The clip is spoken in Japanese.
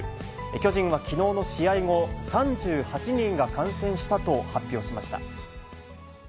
巨人はきのうの試合後、３８人が感染したと発表しました。